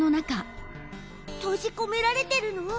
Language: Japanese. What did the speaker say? とじこめられてるの？